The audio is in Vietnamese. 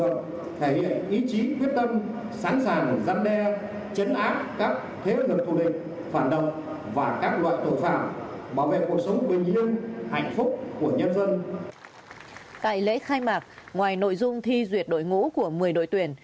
tại lễ khai mạc ngoài nội dung thi duyệt đội ngũ của một mươi đội tuyển